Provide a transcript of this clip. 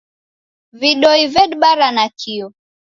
Vidoi vedibara nakio.